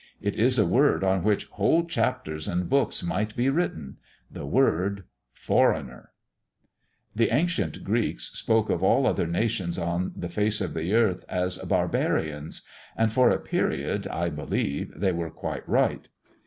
It is a word on which whole chapters and books might be written the word "Foreigner." The ancient Greeks spoke of all other nations on the face of the earth as "barbarians"; and for a period, I believe, they were quite right.